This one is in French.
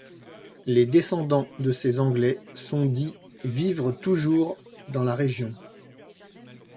Les descendants de ces Anglais sont dits vivre toujours dans la région.